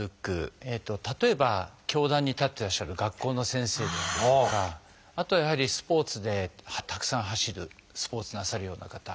例えば教壇に立ってらっしゃる学校の先生だったりとかあとはやはりスポーツでたくさん走るスポーツなさるような方。